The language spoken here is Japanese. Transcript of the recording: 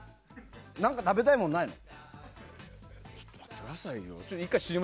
何か食べたいものないの？